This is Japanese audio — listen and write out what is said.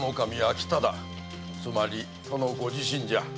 つまり殿ご自身じゃ。